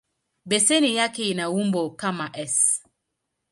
Beseni yake ina umbo kama "S".